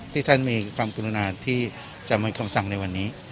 ที่ท่านมีความกรุณาที่จะมีคำสั่งในวันนี้